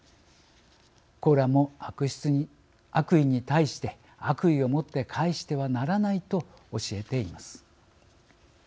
「コーラン」も悪意に対して悪意を持って返してはならないと教えています。